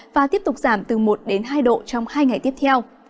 và tiếp tục giảm từ một đến hai độ trong hai ngày tiếp theo